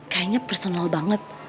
kayaknya personal banget